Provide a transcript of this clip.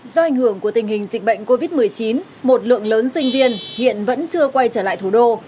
do ảnh hưởng của tình hình dịch bệnh covid một mươi chín một lượng lớn sinh viên hiện vẫn chưa quay trở lại thủ đô